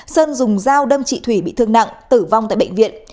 sơn dùng dao đâm chị thủy bị thương nặng tử vong tại bệnh viện